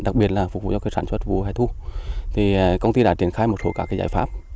đặc biệt là phục vụ sản xuất vụ hẻ thu công ty đã triển khai một số giải pháp